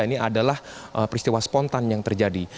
ini adalah peristiwa spontan yang terjadi